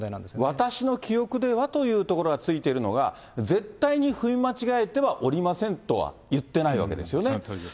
私の記憶ではというところがついてるのが、絶対に踏み間違えてはおりませんとは言ってないわけですよね。